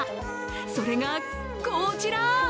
それがこちら！